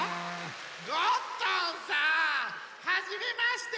ゴットンさん！はじめまして！